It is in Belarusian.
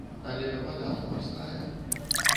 Але вада то марская!